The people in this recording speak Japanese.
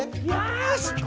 よし！